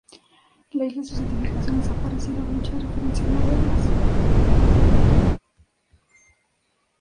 La isla y sus edificaciones han aparecido en muchas referencias modernas.